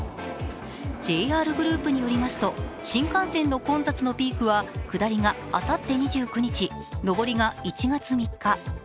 ＪＲグループによりますと新幹線の混雑のピークは下りがあさって２９日、上りが１月３日。